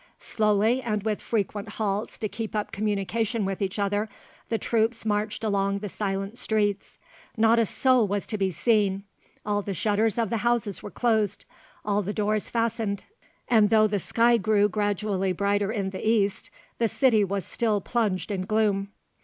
Slowly, and with frequent halts to keep up communication with each other, the troops marched along the silent streets. Not a soul was to be seen: all the shutters of the houses were closed, all the doors fastened; and though the sky grew gradually brighter in the East, the city was still plunged in gloom.